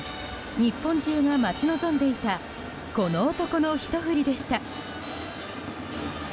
日本中が待ち望んでいたこの男のひと振りでした。